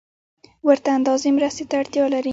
ورته اندازې مرستې ته اړتیا لري